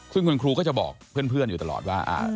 ซึ่งคุณครูก็จะบอกเพื่อนอยู่ตลอดว่า